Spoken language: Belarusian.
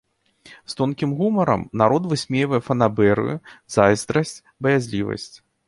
З тонкім гумарам народ высмейвае фанабэрыю, зайздрасць, баязлівасць.